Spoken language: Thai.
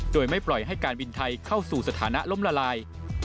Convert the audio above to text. โดยไม่ปล่อยให้การบินไทยเข้าสู่สถานะล้มละลาย